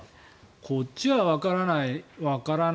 こっちはわからないかな。